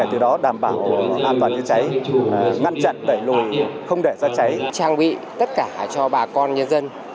trang bị tất cả cho bà con nhân dân